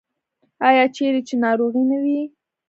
آیا چیرې چې ناروغي نه وي؟